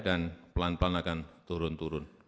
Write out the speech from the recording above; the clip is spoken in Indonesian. dan pelan pelan akan turun turun